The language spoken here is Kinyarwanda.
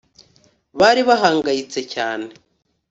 Bari bahangayitse cyane